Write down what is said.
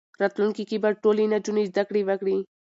راتلونکي کې به ټولې نجونې زدهکړې وکړي.